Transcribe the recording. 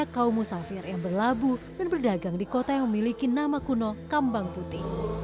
kamping minum ikunyekah wanaf suhu